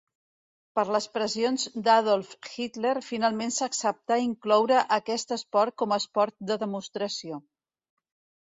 Per les pressions d'Adolf Hitler finalment s'acceptà incloure aquest esport com a esport de demostració.